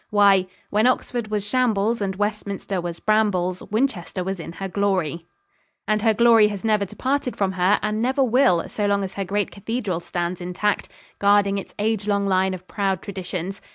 Why, "When Oxford was shambles And Westminster was brambles, Winchester was in her glory." And her glory has never departed from her and never will so long as her great cathedral stands intact, guarding its age long line of proud traditions.